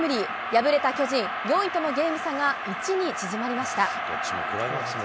敗れた巨人、４位とのゲーム差が１に縮まりました。